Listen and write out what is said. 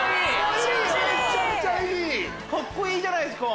カッコいいじゃないですか。